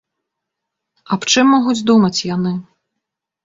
Аб чым могуць думаць яны?